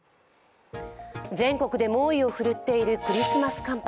全国で猛威を振るっているクリスマス寒波。